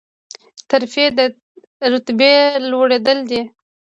ترفیع د رتبې لوړیدل دي